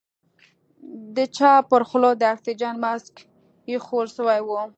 د چا پر خوله د اکسيجن ماسک ايښوول سوى و.